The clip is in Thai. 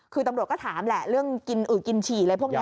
คือตำรวจก็ถามแหละเรื่องกินอึกกินฉี่อะไรพวกนี้